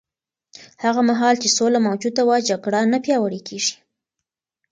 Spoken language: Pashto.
هغه مهال چې سوله موجوده وي، جګړه نه پیاوړې کېږي.